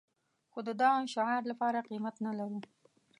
خو د دغه شعار لپاره قيمت نه لرو.